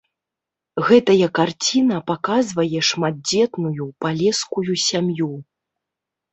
Гэтая карціна паказвае шматдзетную палескую сям'ю.